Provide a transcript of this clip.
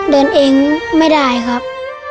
เดินเองไม่ได้ครับ